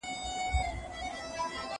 کېدای سي د کتابتون د کار مرسته ستونزي ولري!.